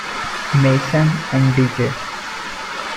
Mason and D. J.